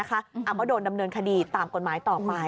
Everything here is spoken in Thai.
ก็โดนดำเนินคดีตามกฎหมายต่อไป